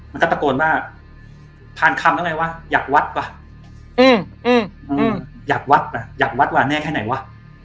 มันก็ตะโกนว่าทานคำอะไรวะอยากวัดว่ะอยากวัดว่ะอยากวัดวาแน่แค่ไหนวะ